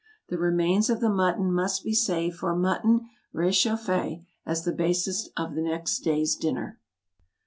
The remains of the mutton must be saved for MUTTON rechauffée, as the basis of the next day's dinner.